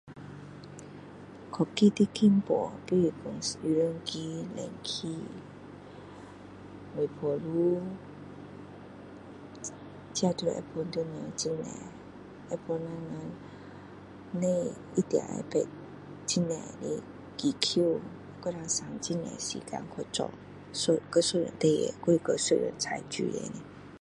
科技的进步就是说洗衣机冷气微波炉这些都会帮到人很多会帮人不用一定要知道很多的技巧帮我们省很多的时间去做一件事情或把所有的菜煮出来